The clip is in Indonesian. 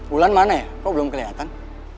pulang mana ya kok belum keliatan